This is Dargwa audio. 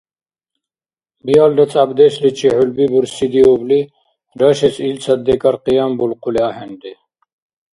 Биалра цӀябдешличи хӀулби бурсидиубли, рашес илцад-декӀар къиянбулхъули ахӀенри.